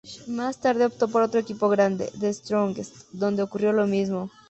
Más tarde, optó por otro equipo grande, The Strongest, donde ocurrió lo mismo.